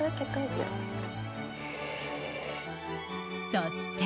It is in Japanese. そして。